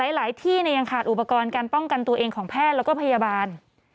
หลายที่ยังขาดอุปกรณ์การป้องกันตัวเองของแพทย์แล้วก็พยาบาล